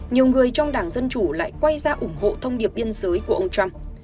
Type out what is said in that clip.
nhiều người trong đảng dân chủ lại quay ra ủng hộ thông điệp biên giới của ông trump